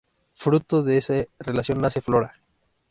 Fruto de esa relación nace Flora.